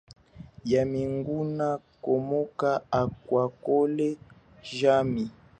Yami nguna komoka akwakhole jami.